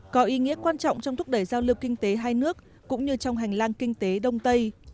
có ý nghĩa quan trọng trong thúc đẩy giao lưu kinh tế hai nước cũng như trong hành lang kinh tế đông tây